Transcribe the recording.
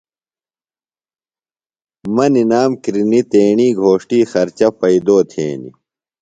مہ نِنام کِرنی تیݨی گھوݜٹیۡ خرچہ پیئدو تھینیۡ۔